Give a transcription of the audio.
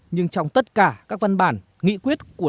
nhưng trong tất cả các văn bản nghị quyết của